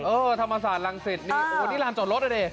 เออธรรมศาสตร์รังสิทธิ์นี่ร้านจอดรถอ่ะเนี่ย